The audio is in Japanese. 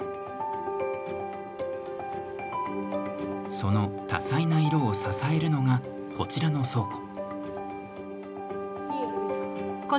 その多彩な色を支えるのがこちらの倉庫。